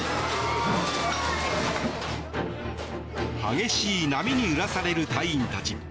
激しい波に揺らされる隊員たち。